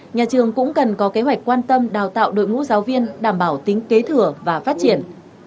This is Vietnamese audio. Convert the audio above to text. nhà trường cũng cần có kế hoạch quan tâm đào tạo đội ngũ giáo viên đảm bảo tính kế thừa và phát triển